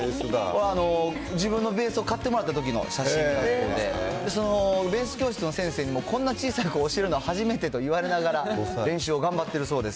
自分のベースを買ってもらったときの、写真だそうで、そのベース教室の先生にも、こんな小さい子、教えるのは初めてと言われながら、練習を頑張ってるそうです。